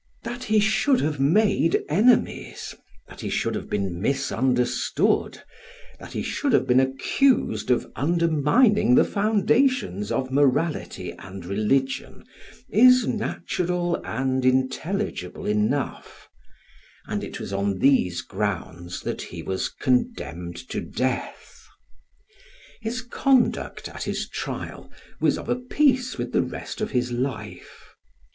That he should have made enemies, that he should have been misunderstood, that he should have been accused of undermining the foundations of morality and religion, is natural and intelligible enough; and it was on these grounds that he was condemned to death. His conduct at his trial was of a piece with the rest of his life.